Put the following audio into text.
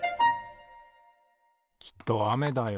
きっとあめだよ。